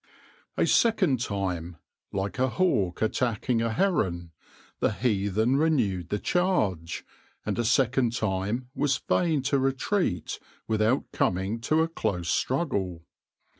A second time, like a hawk attacking a heron, the Heathen renewed the charge, and a second time was fain to retreat without coming to a close struggle.